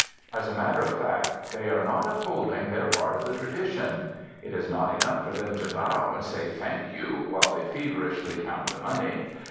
As a matter of fact, they are not upholding their part of the tradition. It is not enough for them to bow, and say, "Thank you," while they feverishly count the money.